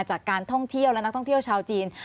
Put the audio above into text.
จากการท่องเที่ยวและนักท่องเที่ยวชาวจีน